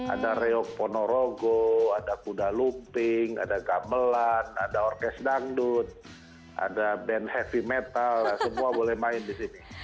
ada reok ponorogo ada kuda lumping ada gamelan ada orkes dangdut ada band heavy metal semua boleh main di sini